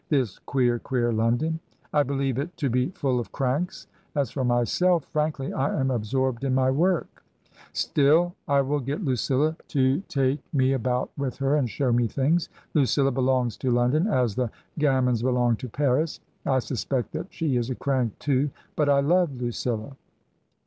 This queer, queer London ! I believe it to be full of cranks. As for myself— frankly, I am absorbed in my work. Still, I will get Lucilla to take TRANSITION, 139 me about with her and show me things. Lucilla belongs to London as the gamins belong to Paris. I suspect that she is a crank too. But I love Lucilla."